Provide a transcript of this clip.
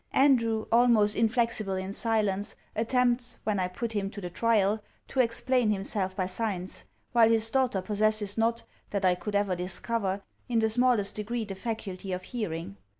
Andrew, almost inflexible in silence, attempts (when I put him to the trial) to explain himself by signs. While his daughter possesses not, that I could ever discover, in the smallest degree the faculty of hearing.